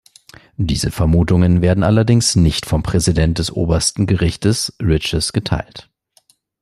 Diese Vermutungen werden allerdings nicht vom Präsident des Obersten Gerichtes, Riches, geteilt.